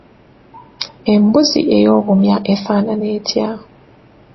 Embuzi ey’obumya efaanana etya?